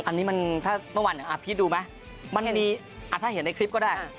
อันนี้มันถ้าเมื่อวานพี่ดูไหมมันมีถ้าเห็นในคลิปก็ได้